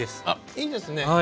いいですね。